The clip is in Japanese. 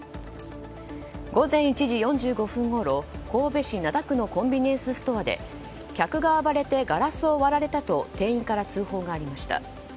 午前１時４５分ごろ神戸市灘区のコンビニエンスストアで客が暴れてガラスを割られたと店員から通報がありました。